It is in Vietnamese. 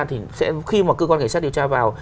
thì sẽ khi mà cơ quan cảnh sát điều tra vào